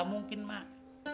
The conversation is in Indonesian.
gak mungkin mak